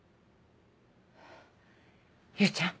唯ちゃん。